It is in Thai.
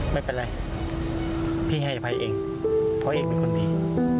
ไม่เป็นไรพี่ให้อภัยเองเพราะเอกเป็นคนดี